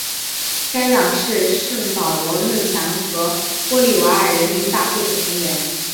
该党是圣保罗论坛和玻利瓦尔人民大会的成员。